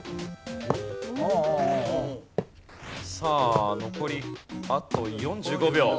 さあ残りあと４５秒。